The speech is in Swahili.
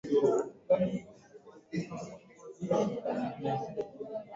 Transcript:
Alikaa hivyo kwa muda wa dakika chache kisha akasimama kwa ghafla akachukua bastola mbili